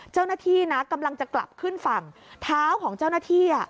เจ้าหน้าที่นะกำลังจะกลับขึ้นฝั่งเท้าของเจ้าหน้าที่